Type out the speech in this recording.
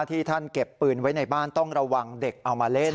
ที่ท่านเก็บปืนไว้ในบ้านต้องระวังเด็กเอามาเล่น